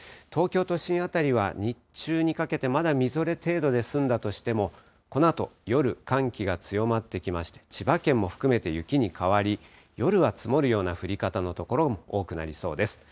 東京都心辺りは日中にかけて、まだみぞれ程度で済んだとしても、このあと、夜、寒気が強まってきまして、千葉県も含めて雪に変わり、夜は積もるような降り方の所も多くなりそうです。